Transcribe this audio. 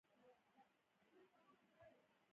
ازادي راډیو د سیاست په اړه د خلکو نظرونه خپاره کړي.